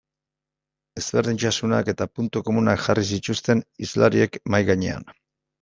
Ezberdintasunak eta puntu komunak jarri zituzten hizlariek mahai gainean.